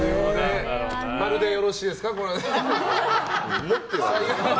○でよろしいですか？